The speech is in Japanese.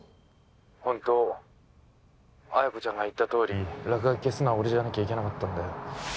☎ホント彩子ちゃんが言ったとおり落書き消すのは俺じゃなきゃいけなかったんだよ